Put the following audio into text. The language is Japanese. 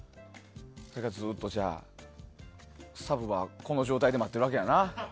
ずっと、じゃあサブはこの状態で待っているわけやな。